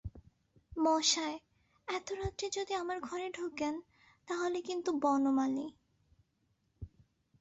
মশায়, এত রাত্রে যদি আমার ঘরে ঢোকেন তা হলে কিন্তু– বনমালী।